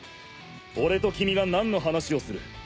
俺と君が何の話をする？